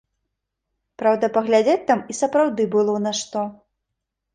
Праўда, паглядзець там і сапраўды было на што.